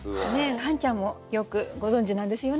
カンちゃんもよくご存じなんですよね？